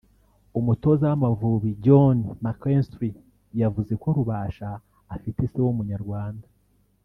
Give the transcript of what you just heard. umutoza w’Amavubi Johnny McKinstry yavuze ko Rubasha afite se w’Umunyarwanda